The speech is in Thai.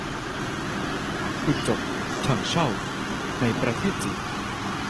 จุดจบ ถั่งเช่า ในประเทศจีน